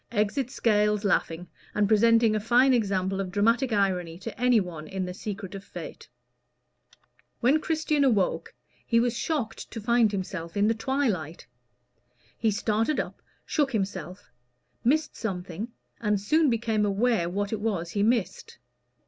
Exit Scales, laughing, and presenting a fine example of dramatic irony to any one in the secret of Fate. When Christian awoke, he was shocked to find himself in the twilight. He started up, shook himself, missed something, and soon became aware what it was he missed.